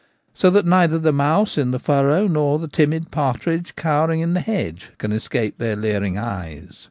So that neither the mouse in the furrow nor the timid partridge cowering in the hedge can escape their leering eyes.